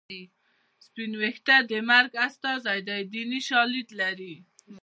سپین ویښته د مرګ استازی دی دیني شالید لري